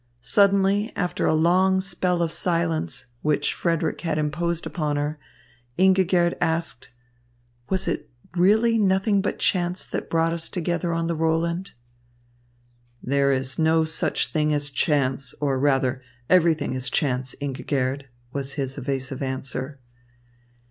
Suddenly, after a long spell of silence, which Frederick had imposed upon her, Ingigerd asked: "Was it really nothing but chance that brought us together on the Roland?" "There is no such thing as chance, or, rather, everything is chance, Ingigerd," was his evasive answer.